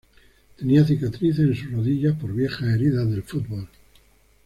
Tenía cicatrices en sus rodillas por viejas heridas del fútbol.